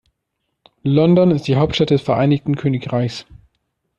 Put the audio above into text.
London ist die Hauptstadt des Vereinigten Königreichs.